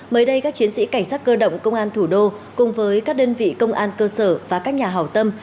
mới đây các chiến sĩ cảnh sát cơ động công an thủ đô cùng với các đơn vị công an cơ sở và các nhà hảo tâm